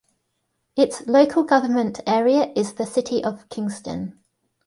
Its local government area is the City of Kingston.